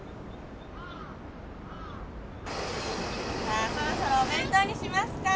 さあそろそろお弁当にしますか。